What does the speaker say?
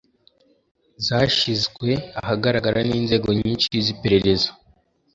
zashizwe ahagaragara n'inzego nyinshi z'iperereza,